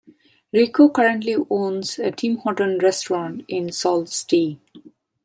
Rico currently owns a Tim Hortons restaurant in Sault Ste.